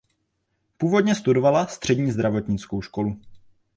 Původně studovala Střední zdravotnickou školu.